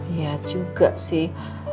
iya juga sih